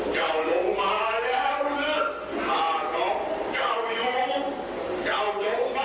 เจ้าลงมาแล้วหรือข้าของเจ้าอยู่เจ้าตกบอกข้า